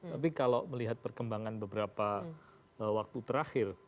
tapi kalau melihat perkembangan beberapa waktu terakhir